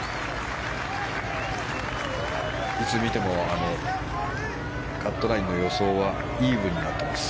いつ見てもカットラインの予想はイーブンになっています。